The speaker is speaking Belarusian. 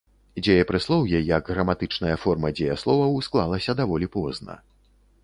Дзеепрыслоўе як граматычная форма дзеясловаў склалася даволі позна.